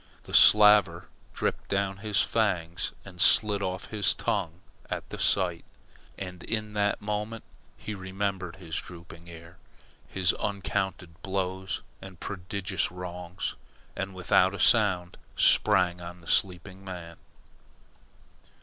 The slaver dripped down his fangs and slid off his tongue at the sight, and in that moment he remembered his drooping ear, his uncounted blows and prodigious wrongs, and without a sound sprang on the sleeping man.